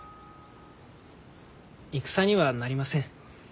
戦にはなりません。